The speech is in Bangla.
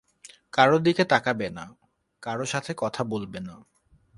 কারো দিকে তাকাবে না, কারো সাথে কথা বলবে না।